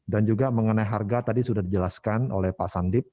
dan juga mengenai harga tadi sudah dijelaskan oleh pak sandip